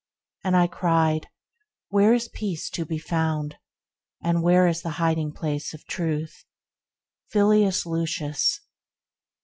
And I cried, Where is Peace to be found! And where is the hiding place of Truth! Filius Lucis.